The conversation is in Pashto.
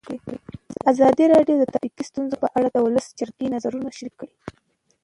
ازادي راډیو د ټرافیکي ستونزې په اړه د ولسي جرګې نظرونه شریک کړي.